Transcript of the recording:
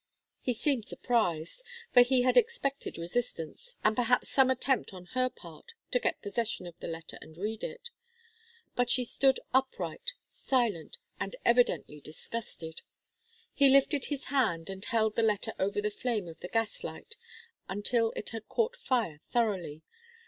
He seemed surprised, for he had expected resistance, and perhaps some attempt on her part to get possession of the letter and read it. But she stood upright, silent, and evidently disgusted. He lifted his hand and held the letter over the flame of the gas light until it had caught fire thoroughly.